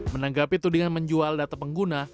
menanggapi tudingan menjual data pengguna